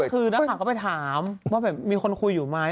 ตอนแรกคือน้องขวัญเขาก็ไปถามว่ามีคนคุยอยู่ไหม